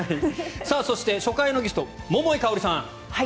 そして、初回のゲスト桃井かおりさん。